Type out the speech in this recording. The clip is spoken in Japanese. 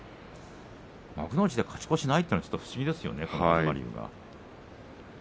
幕内で勝ち越しがないというのは不思議ですね、東龍。